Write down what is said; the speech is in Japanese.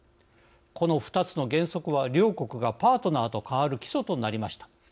この２つの原則は両国がパートナーと変わる基礎となりました。